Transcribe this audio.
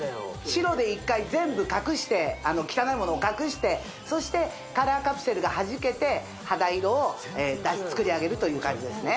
白で１回全部隠して汚いものを隠してそしてカラーカプセルがはじけて肌色を作り上げるという感じですね